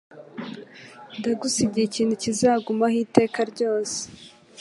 Ndagusigiye ikintu kizagumaho iteka ryose